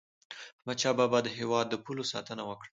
احمد شاه بابا د هیواد د پولو ساتنه وکړه.